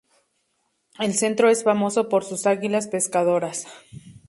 El centro es famoso por sus águilas pescadoras.